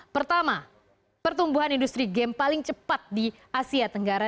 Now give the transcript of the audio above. pertama pertumbuhan industri game paling cepat di asia tenggara